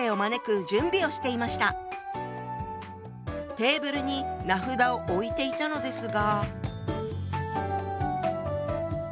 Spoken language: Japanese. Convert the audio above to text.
テーブルに名札を置いていたのですが。